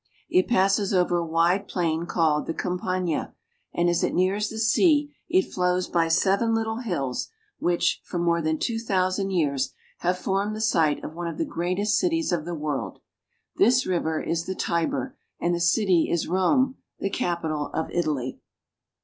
It passes over a wide plain called the Campagna, and as it nears the sea it flows by seven little hills, which, for more than two thou sand years, have formed the site of one of the greatest cities of the world. This river is the Tiber, and the city is Rome, the capital of Italy.